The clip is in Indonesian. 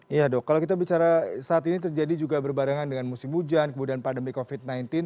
iya dok kalau kita bicara saat ini terjadi juga berbarengan dengan musim hujan kemudian pandemi covid sembilan belas